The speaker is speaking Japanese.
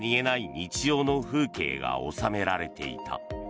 日常の風景が納められていた。